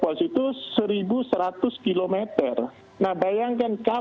nah ini tujuh tahun ini tidak ada pengerukan